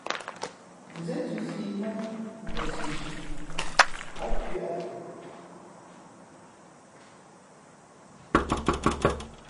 Zén thūfǐ mά Ndαsizhī, ǎ nkwē ǎ tαʼ.